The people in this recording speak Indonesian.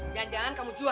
jangan jangan kamu jual